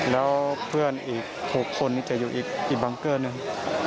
แล้วเพื่อนอีก๖คนนี้จะอยู่อีกบังเกอร์หนึ่ง